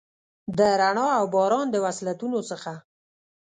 د رڼا اوباران، د وصلتونو څخه،